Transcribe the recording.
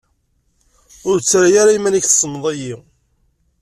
Ur ttarra ara iman-ik tessneḍ-iyi.